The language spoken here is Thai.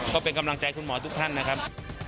ก็เป็นกำลังใจคุณหมอทุกท่านนะครับ